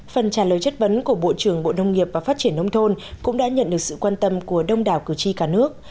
phần trả lời chất vấn của bộ trưởng bộ nông nghiệp và phát triển nông thôn cũng đã nhận được sự quan tâm của đông đảo cử tri cả nước